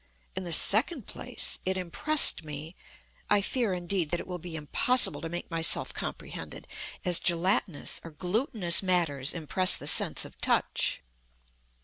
In the second place, it impressed me (I fear, indeed, that it will be impossible to make myself comprehended) as gelatinous or glutinous matters impress the sense of touch.